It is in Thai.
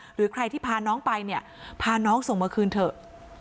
หรือใครที่พาน้องไปเนี่ยพาน้องส่งมาคืนเถอะ